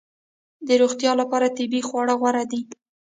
د روغتیا لپاره طبیعي خواړه غوره دي